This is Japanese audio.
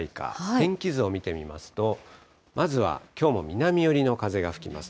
天気図を見てみますと、まずは、きょうも南寄りの風が吹きます。